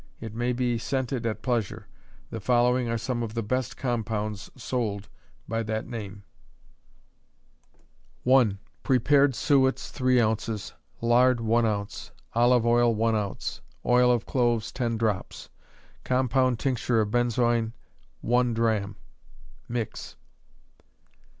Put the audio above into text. It may be scented at pleasure. The following are some of the best compounds sold by that name: 1. Prepared suets, 3 ounces; lard, 1 ounce; olive oil, 1 ounce; oil of cloves, 10 drops; compound tincture of benzoin, 1 drachm. Mix.